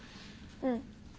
うん。